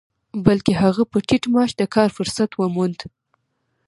بلکې هغه په ټيټ معاش د کار فرصت وموند.